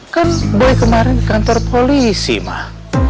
kan dari kemarin kantor polisi mah